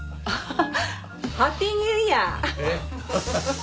ああ！